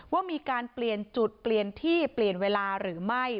ว่ามีการเปลี่ยนจุดเปลี่ยนที่เปลี่ยนเวลาหรือไม่